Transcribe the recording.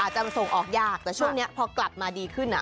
อาจจะมันส่งออกยากแต่ช่วงนี้พอกลับมาดีขึ้นอ่ะ